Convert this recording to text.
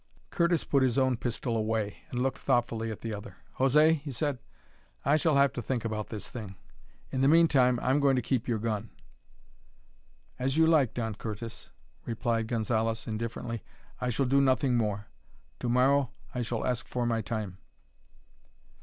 Curtis put his own pistol away, and looked thoughtfully at the other. "José," he said, "I shall have to think about this thing. In the meantime I'm going to keep your gun." "As you like, Don Curtis," replied Gonzalez, indifferently. "I shall do nothing more. To morrow I shall ask for my time."